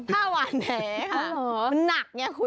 หื้อเหรอหนักนะฮะคุณ